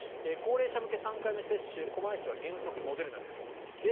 高齢者向け３回目接種狛江市は原則モデルナです。